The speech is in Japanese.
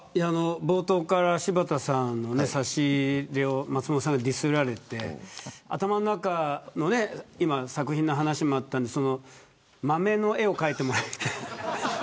冒頭から柴田さんの差し入れを松本さんがディスられて頭の中の作品の話もあったので豆の絵を描いてもらいたい。